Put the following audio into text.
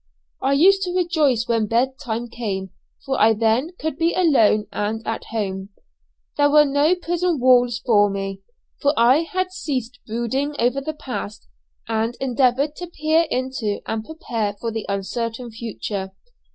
I used to rejoice when bed time came, for I then could be alone and at home. Then there were no prison walls for me, for I had ceased brooding over the past, and endeavoured to peer into and prepare for the uncertain future.